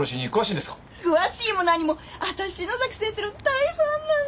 詳しいも何も私篠崎先生の大ファンなの！